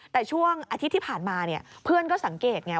แต่ช่วงอาทิตย์ที่ผ่านมาเพื่อนก็สังเกตไง